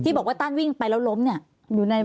ที่บอกว่าต้านวิ่งไปแล้วล้มเนี่ย